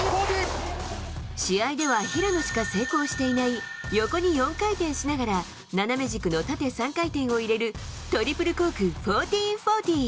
試合では平野しか成功していない、横に４回転しながら斜め軸の縦３回転を入れる、トリプルコーク１４４０。